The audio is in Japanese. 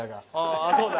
ああそうだ。